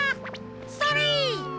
それ！